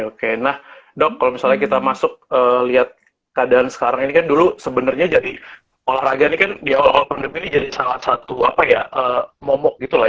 oke nah dok kalau misalnya kita masuk lihat keadaan sekarang ini kan dulu sebenarnya jadi olahraga ini kan di awal awal pandemi ini jadi salah satu apa ya momok gitu lah